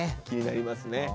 気になりますね。